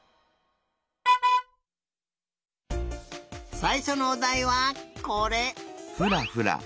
さいしょのおだいはこれ！